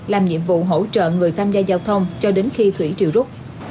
làm nhiệm vụ hỗ trợ người tham gia giao thông cho đến khi thủy triều rút